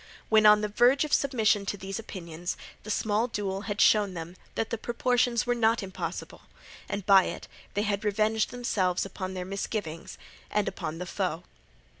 When on the verge of submission to these opinions, the small duel had showed them that the proportions were not impossible, and by it they had revenged themselves upon their misgivings and upon the foe.